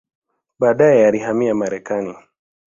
Baadaye alihamia Marekani.